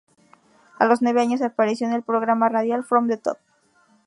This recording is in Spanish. A los nueve años apareció en el programa radial "From the Top".